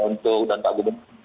untuk dan pak gubernur